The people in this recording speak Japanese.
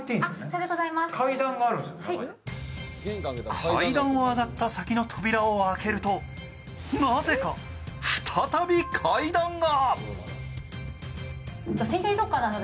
階段を上がった先の扉を開けるとなぜか再び階段が。